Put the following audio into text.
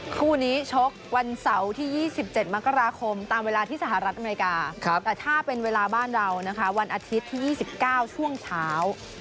คู่นี้ชกวันเสาร์ที่๒๗มกราคมตามเวลาที่สหรัฐอเมริกาแต่ถ้าเป็นเวลาบ้านเรานะคะวันอาทิตย์ที่๒๙ช่วงเช้า